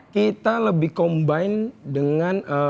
kita lebih combine dengan